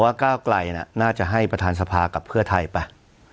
ก้าวไกลน่าจะให้ประธานสภากับเพื่อไทยไป